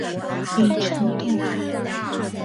李成栋。